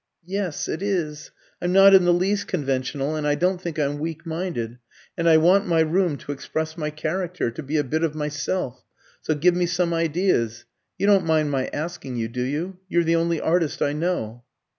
"Yes, it is. I'm not in the least conventional, and I don't think I'm weak minded. And I want my room to express my character, to be a bit of myself. So give me some ideas. You don't mind my asking you, do you? You're the only artist I know."